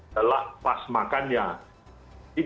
adalah pas makan yang